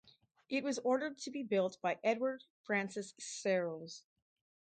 It was ordered to be built by Edward Francis Searles.